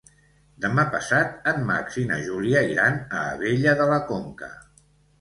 Demà passat en Max i na Júlia iran a Abella de la Conca.